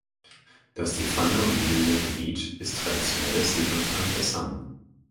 Das die Pfanne umgebende Gebiet ist traditionelles Siedlungsland der San.